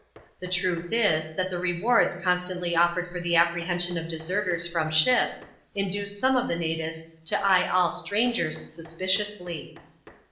The truth is, that the rewards constantly offered for the apprehension of deserters from ships, induce some of the natives to eye all strangers suspiciously.